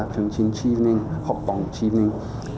chương trình học bóng tri cùng